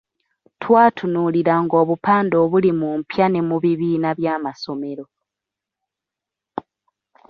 Twatunuuliranga obupande obuli mu mpya ne mu bibiina bya amasomero.